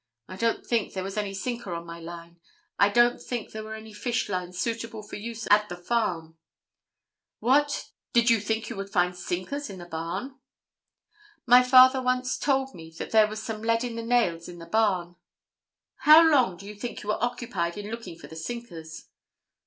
I don't think there was any sinker on my line. I don't think there were any fish lines suitable for use at the farm." "What! did you think you would find sinkers in the barn?" "My father once told me that there was some lead and nails in the barn." "How long do you think you occupied in looking for the sinkers?"